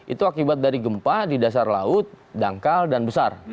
itu akibat dari gempa di dasar laut dangkal dan besar